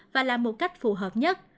và làm một cách phù hợp nhất